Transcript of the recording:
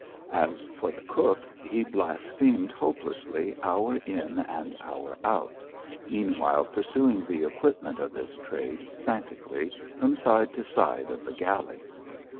As for the cook, he blasphemed hopelessly hour in and hour out, meanwhile pursuing the equipment of his trade frantically from side to side of the galley.